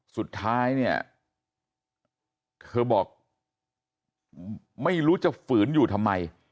สุดท้ายเนี่ยเธอบอกไม่รู้จะฝืนอยู่ทำไม